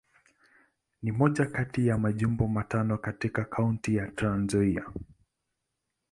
Ni moja kati ya Majimbo matano katika Kaunti ya Trans-Nzoia.